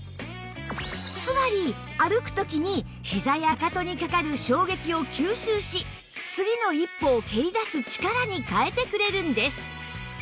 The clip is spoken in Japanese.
つまり歩く時にひざやかかとにかかる衝撃を吸収し次の一歩を蹴り出す力に変えてくれるんです